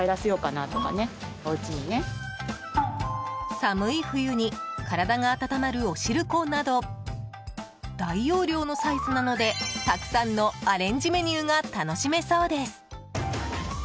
寒い冬に体が温まるお汁粉など大容量のサイズなのでたくさんのアレンジメニューが楽しめそうです。